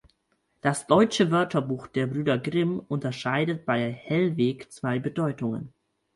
Das "Deutsche Wörterbuch" der Brüder Grimm unterscheidet bei "Hellweg" zwei Bedeutungen.